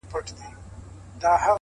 نه پوهېږم چي په څه سره خـــنـــديــــږي’